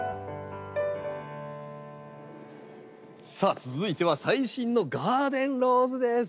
さあ続いては最新のガーデンローズです。